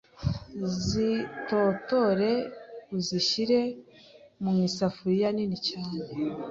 zitotore uzishyire mu mu isafuriya nini cyane